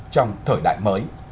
trong thời đại mới